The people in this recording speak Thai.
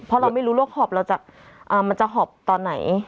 เพราะเราไม่รู้โรคหอบเราจะมันจะหอบตอนไหน